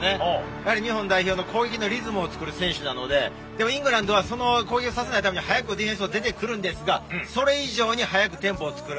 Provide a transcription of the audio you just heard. やっぱり日本代表の攻撃のリズムを作る選手なので、でもイングランドは、その攻撃をさせないために、早くディフェンスを出てくるんですが、それ以上に早くテンポを作る。